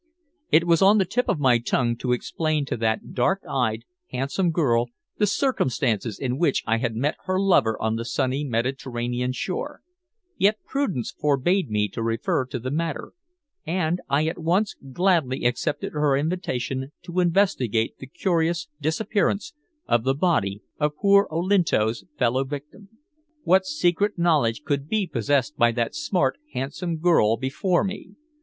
It was on the tip of my tongue to explain to that dark eyed, handsome girl the circumstances in which I had met her lover on the sunny Mediterranean shore, yet prudence forbade me to refer to the matter, and I at once gladly accepted her invitation to investigate the curious disappearance of the body of poor Olinto's fellow victim. What secret knowledge could be possessed by that smart, handsome girl before me?